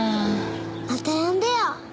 また呼んでよ。